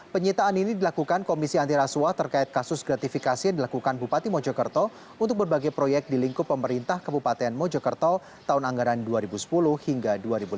penyitaan ini dilakukan komisi antirasuah terkait kasus gratifikasi yang dilakukan bupati mojokerto untuk berbagai proyek di lingkup pemerintah kabupaten mojokerto tahun anggaran dua ribu sepuluh hingga dua ribu lima belas